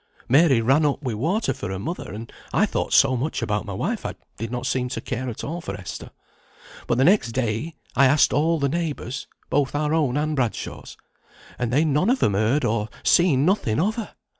Mary ran up with water for her mother, and I thought so much about my wife, I did not seem to care at all for Esther. But the next day I asked all the neighbours (both our own and Bradshaw's), and they'd none of 'em heard or seen nothing of her.